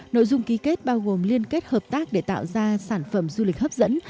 nội dung ký kết bao gồm liên kết hợp tác để tạo ra sản phẩm du lịch hấp dẫn